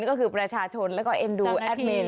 ก็คือประชาชนแล้วก็เอ็นดูแอดมิน